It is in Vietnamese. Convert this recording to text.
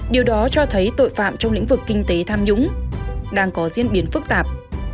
điều đó cho thấy tội phạm trong lĩnh vực kinh tế tham nhũng đang có diễn biến phức tạp